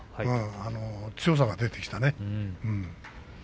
強さが出てきたね。